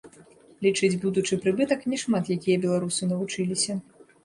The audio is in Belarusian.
Лічыць будучы прыбытак няшмат якія беларусы навучыліся.